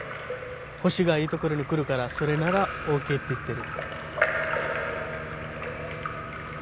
星がいいところに来るからそれならＯＫって言ってる。